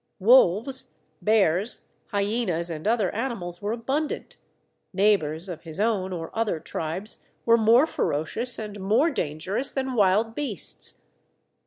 Wolves, bears, hyenas and other animals were abundant; neighbours of his own or other tribes were more ferocious and more dangerous than wild beasts.